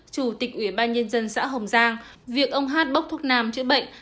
chủ tịch ủy ban nhân dân xã hồng giang việc ông hát bốc thuốc nam chữa bệnh